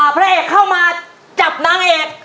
พระเอกเข้ามาจับนางเอก